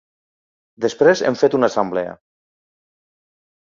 Després hem fet una assemblea.